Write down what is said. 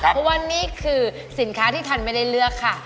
เพราะว่านี่คือสินค้าที่ทันไม่ได้เลือกค่ะ